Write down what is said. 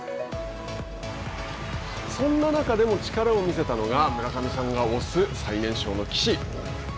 そんな中でも力を見せたのが村上さんが推す最年少の岸。